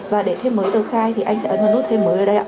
và lúc này thì xe sẽ đi vào luôn